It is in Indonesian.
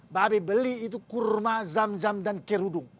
babi beli itu kurma zam zam dan kiri udung